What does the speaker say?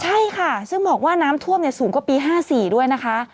ใช่ค่ะซึ่งบอกว่าน้ำท่วมสูงกว่าปี๕๔ด้วยนะคะ